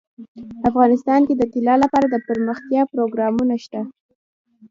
افغانستان کې د طلا لپاره دپرمختیا پروګرامونه شته.